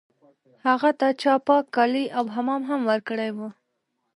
هغه ته چا پاک کالي او حمام هم ورکړی و